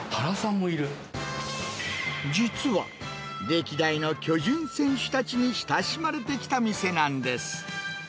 実は、歴代の巨人選手たちに親しまれてきた店なんです。